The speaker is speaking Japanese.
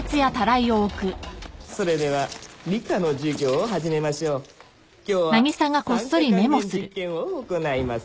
それでは理科の授業を始めましょう今日は酸化還元実験を行います